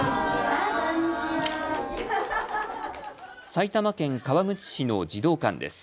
埼玉県川口市の児童館です。